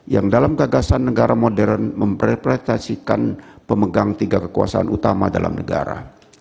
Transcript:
yang dalam gagasan negara modern mempresentasikan pemegang tiga kekuasaan utama dalam negara